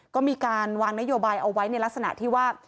ก็มีการวางนโยบายเอาไว้ในลักษณะที่ว่า